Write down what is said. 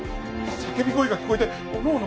叫び声が聞こえておのおの